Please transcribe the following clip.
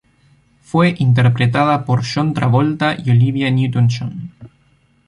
Fue interpretada por John Travolta y Olivia Newton-John.